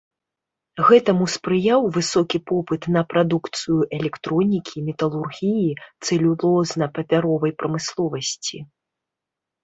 Гэтаму спрыяў высокі попыт на прадукцыю электронікі, металургіі, цэлюлозна-папяровай прамысловасці.